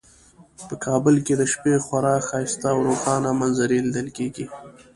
په کابل کې د شپې خورا ښایسته او روښانه منظرې لیدل کیږي